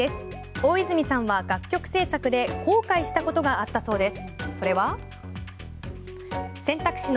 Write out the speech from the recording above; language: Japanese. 大泉さんは楽曲制作で後悔したことがあったそうです。